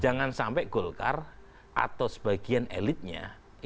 jangan sampai golkar atau sebagian elitnya itu dikendalikan